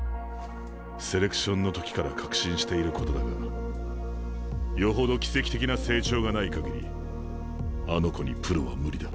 セレクションの時から確信していることだがよほど奇跡的な成長がない限りあの子にプロは無理だ。